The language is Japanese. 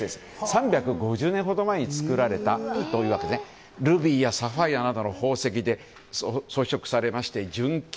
３５０年ほど前に作られたというわけでルビーやサファイアなどの宝石で装飾されまして純金